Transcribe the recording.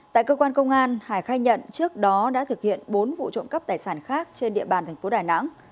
tại cơ quan công an hải khai nhận trước đó đã thực hiện bốn vụ trộm cắp tài sản khác trên địa bàn thành phố đà nẵng